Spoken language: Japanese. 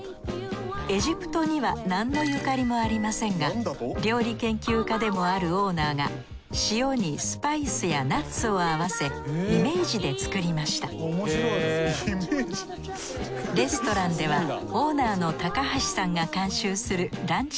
エジプトには何のゆかりもありませんが料理研究家でもあるオーナーが塩にスパイスやナッツを合わせイメージで作りましたレストランではオーナーのたかはしさんが監修するランチ